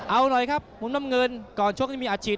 เอาหน่อยครับวุ่งน้ำเงินก่อนโชคยังไม่มีอาชิต